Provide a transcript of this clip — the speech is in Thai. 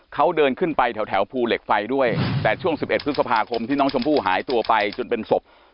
เขาเดินขึ้นไปแถวภูเหล็กไฟด้วยแต่ช่วง๑๑พฤษภาคมที่น้องชมพู่หายตัวไปจนเป็นศพ